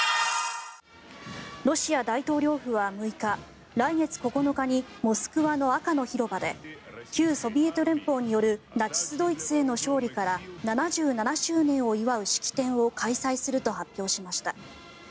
ロシア大統領府は６日来月９日にモスクワの赤の広場で旧ソビエト連邦によるナチス・ドイツへの勝利から７７周年を祝う式典を開催すると発表しました。